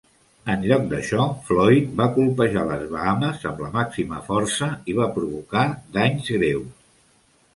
En lloc d'això, Floyd va colpejar les Bahames amb la màxima força i va provocar danys greus.